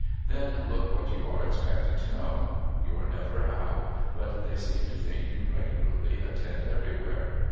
Then look what you are expected to know. You are never out, but they seem to think you regularly attend everywhere.